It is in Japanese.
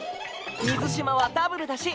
水嶋はダブルだし。